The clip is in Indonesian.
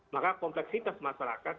maka kompleksitas masyarakat